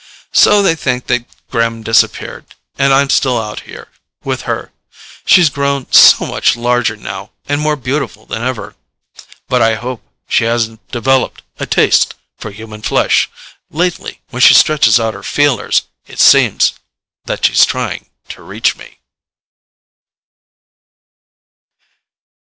So they think that Gremm disappeared. And I'm still out here with her. She's grown so much larger now, and more beautiful than ever. But I hope she hasn't developed a taste for human flesh. Lately, when she stretches out her feelers, it seems that she's trying to reach me.